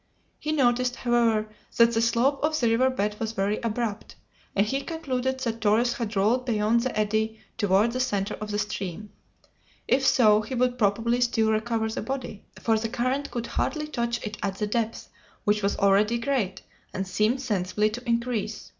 He noticed, however, that the slope of the river bed was very abrupt, and he concluded that Torres had rolled beyond the eddy toward the center of the stream. If so, he would probably still recover the body, for the current could hardly touch it at the depth, which was already great, and seemed sensibly to increase.